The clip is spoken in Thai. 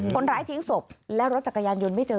ทิ้งศพและรถจักรยานยนต์ไม่เจอ